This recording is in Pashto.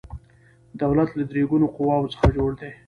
دولت له درې ګونو قواو څخه جوړ دی